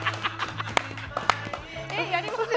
え、やりません？